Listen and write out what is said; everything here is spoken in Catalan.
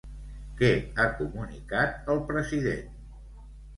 Què ha comunicat el president?